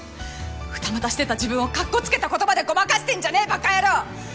二股してた自分をかっこつけた言葉でごまかしてんじゃねぇばか野郎！